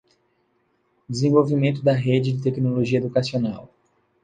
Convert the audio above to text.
Desenvolvimento da Rede de Tecnologia Educacional.